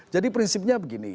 jadi prinsipnya begini